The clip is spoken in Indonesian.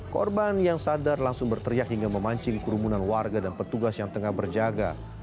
korban yang sadar langsung berteriak hingga memancing kerumunan warga dan petugas yang tengah berjaga